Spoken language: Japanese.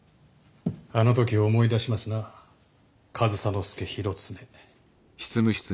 あの時を思い出しますな上総介広常。